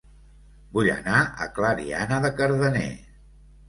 Vull anar a Clariana de Cardener